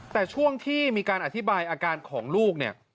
แต่ช่วงที่มีการอธิบายอาการของลูกเนี่ย